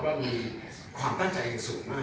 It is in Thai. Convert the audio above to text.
ว่ามีความตั้งใจอย่างสูงมาก